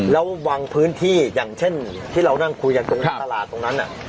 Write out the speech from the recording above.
แล้วบางพื้นที่อย่างเช่นที่เรานั่งคุยกันตรงตลาดตรงนั้น